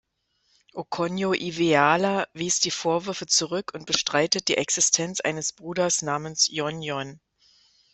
Okonjo-Iweala wies die Vorwürfe zurück und bestreitet die Existenz eines Bruders namens Jon-Jon.